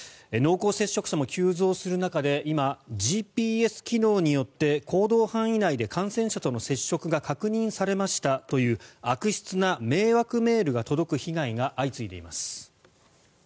濃厚接触者も急増する中で今、ＧＰＳ機能によって行動範囲内で感染者との接触が確認されましたという悪質な迷惑メールが届く被害が相次いでいます。